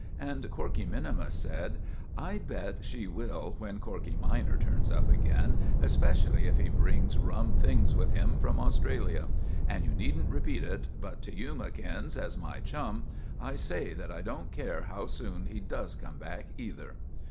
And Corkey minimus said: "I bet she will when Corkey minor turns up again, especially if he brings rum things with him from Australia. And you needn't repeat it, but to you, McInnes, as my chum, I say that I don't care how soon he does come back either."